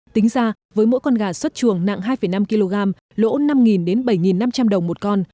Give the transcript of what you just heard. tính ra với mỗi con gà xuất chuồng nặng hai năm kg lỗ năm bảy năm trăm linh đồng một con